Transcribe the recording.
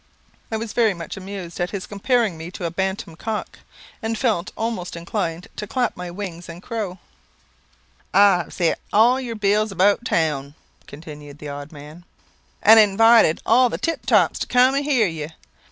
I was very much amused at his comparing me to a bantam cock, and felt almost inclined to clap my wings and crow. "I have sent all your bills about town," continued the odd man, "and invited all the tip tops to cum and hear you.